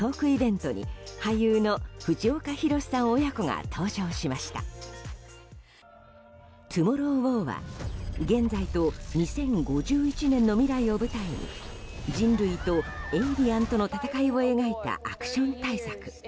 「トゥモロー・ウォー」は現在と２０５１年の未来を舞台に人類とエイリアンとの戦いを描いたアクション大作。